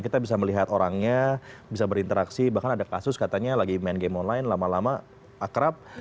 kita bisa melihat orangnya bisa berinteraksi bahkan ada kasus katanya lagi main game online lama lama akrab